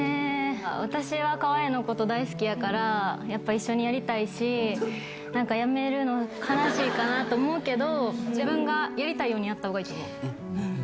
私は川栄のこと大好きやから一緒にやりたいしやめるの悲しいかなと思うけど自分がやりたいようにやったほうがいいと思う。